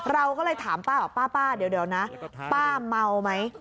เราก็เลยถามป้าบอกป้าเดี๋ยวนะป้าเมาไหม